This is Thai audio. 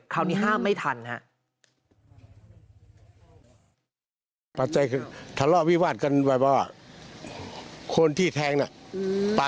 คราวนี้ฮ่ามไม่ทันครับ